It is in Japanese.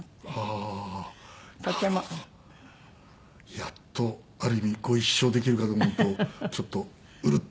やっとある意味ご一緒できるかと思うとちょっとうるっと。